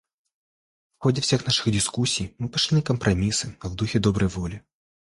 В ходе всех наших дискуссий мы пошли на компромиссы в духе доброй воли.